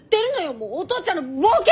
もうお父ちゃんのボケ！